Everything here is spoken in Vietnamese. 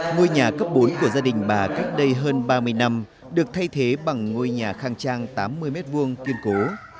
ngôi nhà cấp bốn của gia đình bà cách đây hơn ba mươi năm được thay thế bằng ngôi nhà khang trang tám mươi m hai kiên cố